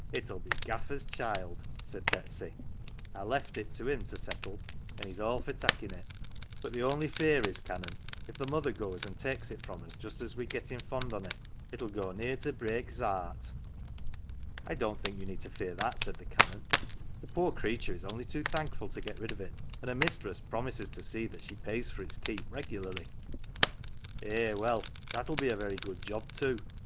" If 11 be Gaffer's child," said Betsy. " I left it to him to settle, and he's all for takin' it. But the only fear is, Canon, if the mother goes and takes it from us just as we're gettin' fond on it, it'll go near to break's heart." " I don't think you need fear that," said the Canon. " The poor creature is only too thankful to get rid of it, and her mistress promises to see that she pays for its keep regularly." "Eh, well, that'll be a very good job too.